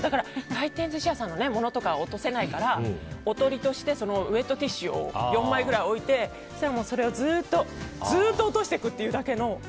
回転寿司屋さんのものとか落とせないからおとりとしてウェットティッシュを４枚ぐらい置いてそれをずっと落としていくだけの。